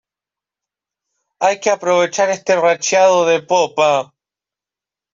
hay que aprovechar este racheado de popa.